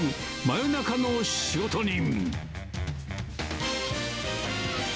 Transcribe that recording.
真夜中の仕事人。